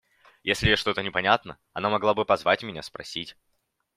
Если ей что непонятно, она могла бы позвать меня, спросить.